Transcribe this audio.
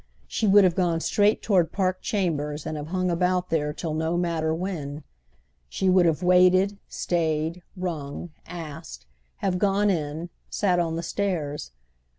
She would have gone straight toward Park Chambers and have hung about there till no matter when. She would have waited, stayed, rung, asked, have gone in, sat on the stairs.